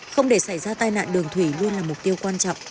không để xảy ra tai nạn đường thủy luôn là mục tiêu quan trọng